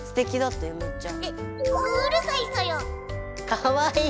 かわいい！